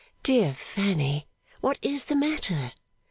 'Dear Fanny, what is the matter?